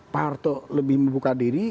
pak harto lebih membuka diri